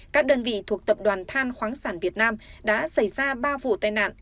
các đơn vị thuộc tập đoàn than khoáng sản việt nam đã xảy ra ba vụ tai nạn